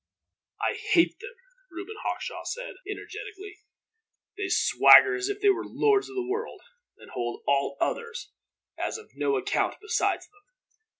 "I hate them," Reuben Hawkshaw said, energetically. "They swagger as if they were the lords of the world, and hold all others as of no account beside them.